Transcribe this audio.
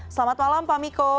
selamat malam pak miko